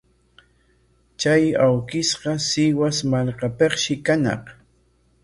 Chay awkishqa Sihuas markapikshi kañaq.